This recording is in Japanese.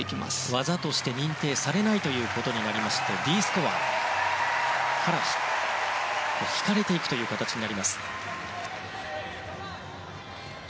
技として認定されないということでＤスコアから引かれていくという形になります。